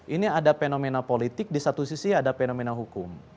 ini ada fenomena politik di satu sisi ada fenomena hukum